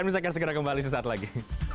pak anies akan segera kembali suatu saat lagi